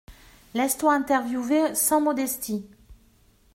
Laisse-toi interviewer sans modestie.